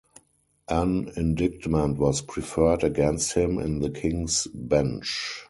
An indictment was preferred against him in the King's Bench.